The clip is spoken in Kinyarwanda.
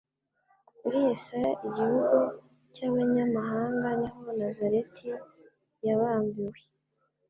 Kuri Yesaya igihugu cyabanyamahanga, niho Nazareti yabambiwe